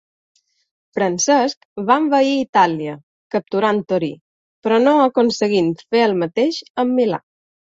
Francesc va envair Itàlia, capturant Torí però no aconseguint fer el mateix amb Milà.